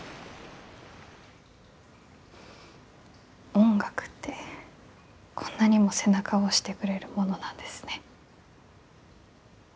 音楽ってこんなにも背中を押してくれるものなんですね。